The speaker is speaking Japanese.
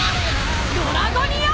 ドラゴニア！！